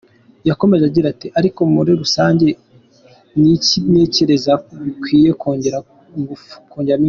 Yakomeje agira ati “Ariko muri rusange ni ikintu ntekerezako bikwiye kongeramo ingufu.